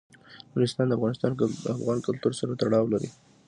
نورستان د افغان کلتور سره تړاو لري.